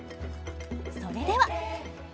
それでは。